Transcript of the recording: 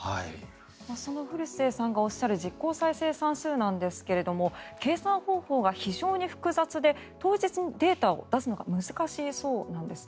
古瀬さんがおっしゃる実効再生産数ですが計算方法が非常に複雑で当日にデータを出すのが難しいそうなんです。